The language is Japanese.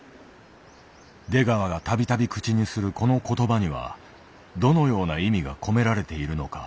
出川が度々口にするこの言葉にはどのような意味が込められているのか。